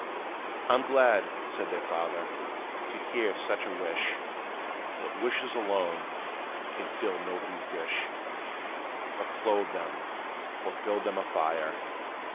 "I 'm glad," said their father, "to hear such a wish; But wishes alone, can fill nobody's dish, Or clothe them, or build them a fire.